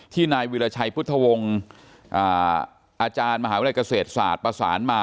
นายวิราชัยพุทธวงศ์อาจารย์มหาวิทยาลัยเกษตรศาสตร์ประสานมา